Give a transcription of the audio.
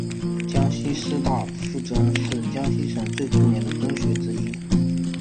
江西师大附中是江西省最著名的中学之一。